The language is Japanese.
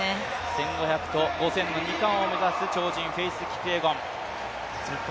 １５００と５０００の２冠を目指す超人キピエゴン。